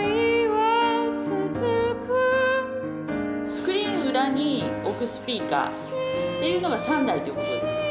スクリーン裏に置くスピーカーというのが３台ということですか。